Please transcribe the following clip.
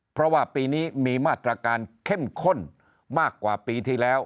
เพราะว่าปีนี้มีมาตรการเข้มข้นมากกว่าปีที่แล้ว